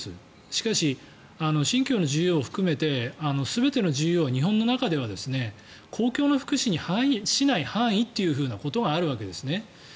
しかし、信教の自由を含めて全ての自由を日本の中では公共の福祉に反しない範囲ということがあるわけですね。